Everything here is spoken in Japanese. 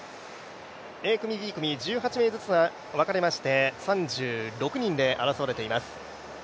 Ａ組、Ｂ組、１８名ずつ分かれまして３６人で争われています。